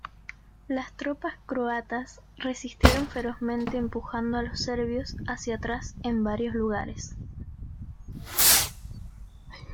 Las tropas croatas resistieron ferozmente empujando a los serbios hacia atrás en varios lugares.